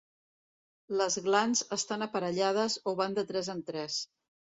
Les glans estan aparellades o van de tres en tres.